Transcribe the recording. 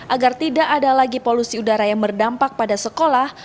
agar tidak ada lagi polusi udara yang berdampak pada sekolah